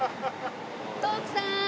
徳さん！